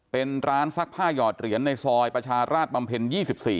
เป็นร้านซักผ้าหยอดเหรียญในซอยประชาราชบำเพ็ญ๒๔